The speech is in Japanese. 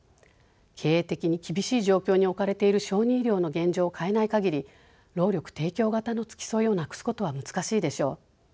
経営的に厳しい状況に置かれている小児医療の現状を変えないかぎり労力提供型の付き添いをなくすことは難しいでしょう。